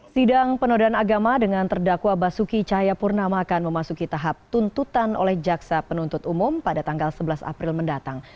sidang penodaan agama dengan terdakwa basuki cahayapurnama akan memasuki tahap tuntutan oleh jaksa penuntut umum pada tanggal sebelas april mendatang